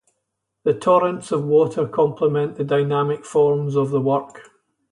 The torrents of water complement the dynamic forms of the work.